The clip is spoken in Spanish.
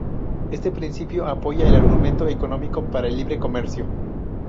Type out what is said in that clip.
Este principio apoya el argumento económico para el libre comercio.